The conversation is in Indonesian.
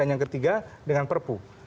yang ketiga dengan perpu